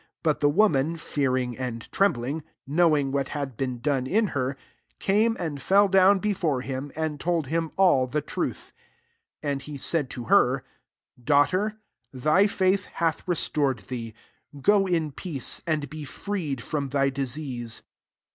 33 But the woman, fearing and trembling, knowing what had been done in her, came and fell down be &re him, and told him all the truth. 34 And he said to her, <( Daughter, thy faith hath res tored thee : go in peace, and be freed from thy disease."